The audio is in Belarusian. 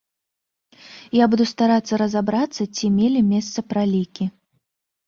Я буду старацца разабрацца, ці мелі месца пралікі.